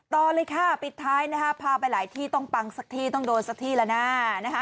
ต่อเลยค่ะปิดท้ายนะฮะพาไปหลายที่ต้องปังสักที่ต้องโดนสักที่แล้วนะ